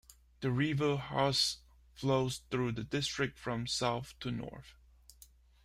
The river Hase flows through the district from south to north.